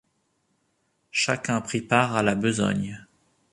Chacun prit part à la besogne.